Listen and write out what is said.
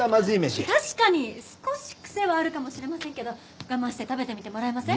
確かに少し癖はあるかもしれませんけど我慢して食べてみてもらえません？